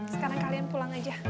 sekarang kalian pulang aja